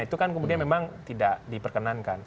itu kan kemudian memang tidak diperkenankan